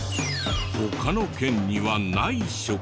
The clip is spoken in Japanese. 他の県にはない食材も。